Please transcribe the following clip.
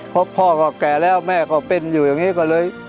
เพราะพ่อก็แก่แล้วแม่ก็เป็นอยู่อย่างนี้ก็เลย